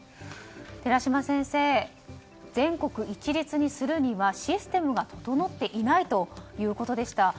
寺嶋先生、全国一律にするにはシステムが整っていないということでした。